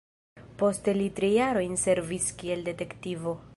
Poste li tri jarojn servis kiel detektivo.